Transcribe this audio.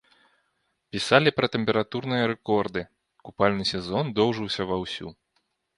Пісалі пра тэмпературныя рэкорды, купальны сезон доўжыўся ва ўсю.